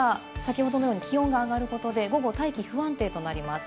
ただ、先ほどのように気温が上がることで午後は大気が不安定となります。